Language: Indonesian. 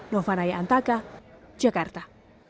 dari kampung tantaka jakarta